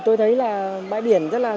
thì tôi thấy là bãi biển rất là đẹp